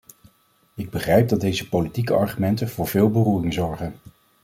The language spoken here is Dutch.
Ik begrijp dat deze politieke argumenten voor veel beroering zorgen.